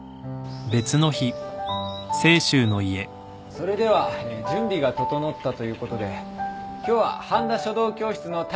それでは準備が整ったということで今日は半田書道教室の体験授業を行います。